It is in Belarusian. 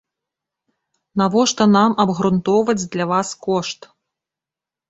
Навошта нам абгрунтоўваць для вас кошт?